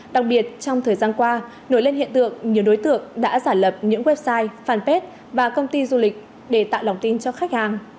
đặc biệt trong thời gian qua nổi lên hiện tượng nhiều đối tượng đã giả lập những website fanpage và công ty du lịch để tạo lòng tin cho khách hàng